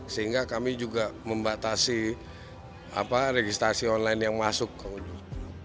sehingga kami juga membatasi registrasi online yang masuk ke ujung